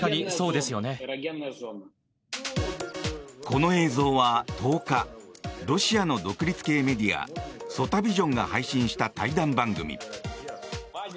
この映像は１０日ロシアの独立系メディアソタビジョンが配信した対談番組。